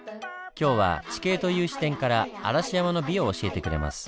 今日は地形という視点から嵐山の美を教えてくれます。